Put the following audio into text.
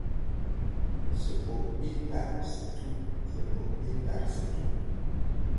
Se ɓoʼ ɓil ndar se tuu, se ɓoʼ ɓil ndar se tuu.